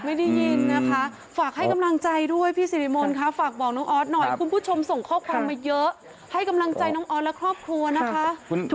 ได้ยินนะคะฝากให้กำลังใจด้วยพี่สิริมนต์ค่ะฝากบอกน้องออสหน่อยคุณผู้ชมส่งข้อความมาเยอะให้กำลังใจน้องออสและครอบครัวนะคะ